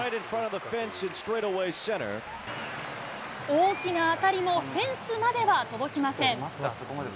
大きな当たりも、フェンスまでは届きません。